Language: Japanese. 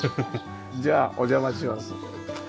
じゃあお邪魔します。